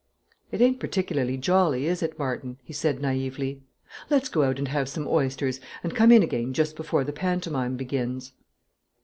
"It ain't particularly jolly, is it, Martin?" he said naïvely, "Let's go out and have some oysters, and come in again just before the pantomime begins."